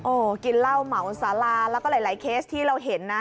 โอ้โหกินเหล้าเหมาสาราแล้วก็หลายเคสที่เราเห็นนะ